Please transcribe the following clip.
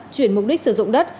chuyển mục đích sử dụng đất